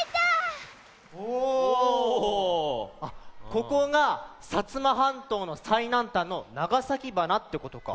ここが摩半島のさいなんたんの長崎鼻ってことか。